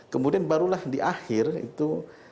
kemudian barulah di akhir itu